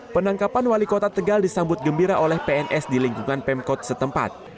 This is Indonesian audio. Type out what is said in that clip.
penangkapan wali kota tegal disambut gembira oleh pns di lingkungan pemkot setempat